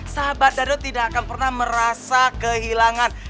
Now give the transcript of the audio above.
sahabat darul tidak akan pernah merasa kehilangan